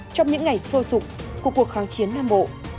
trong những ngày sôi sụp của cuộc kháng chiến nam bộ